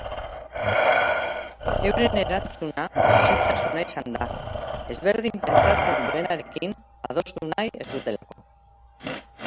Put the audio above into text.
Euren erantzuna isiltasuna izan da, ezberdin pentsatzen duenarekin adostu nahi ez dutelako.